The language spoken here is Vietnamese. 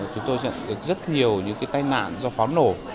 chúng tôi nhận được rất nhiều những tai nạn do pháo nổ